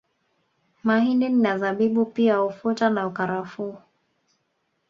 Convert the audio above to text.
Mahindi na Zabibu pia ufuta na karafuu